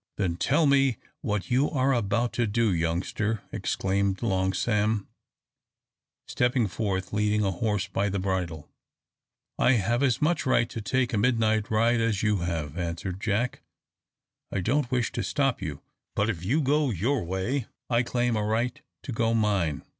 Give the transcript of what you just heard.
"Then tell me what you are about to do, youngster," exclaimed Long Sam, stepping forth, leading a horse by the bridle. "I have as much right to take a midnight ride as you have," answered Jack. "I don't wish to stop you, but if you go your way, I claim a right to go mine."